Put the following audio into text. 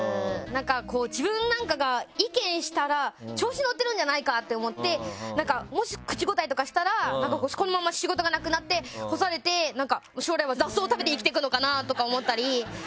自分何かが意見したら調子乗ってるんじゃないかって思ってもし口答えとかしたらこのまま仕事がなくなって干されて将来は雑草を食べて生きていくのかなと思ったり。